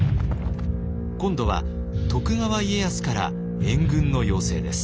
今度は徳川家康から援軍の要請です。